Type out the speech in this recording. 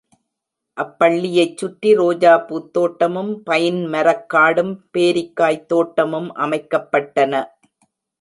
அப்பள்ளியைச் சுற்றி ரோஜாப்பூத் தோட்டமும், பைன் மரக்காடும் பேரிக்காய்த் தோட்டமும் அமைக்கப்பட்டன.